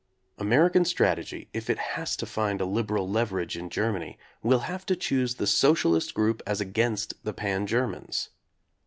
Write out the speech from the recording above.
American strategy, if it has to find a liberal leverage in Germany, will have to choose the socialist group as against the Pan Germans.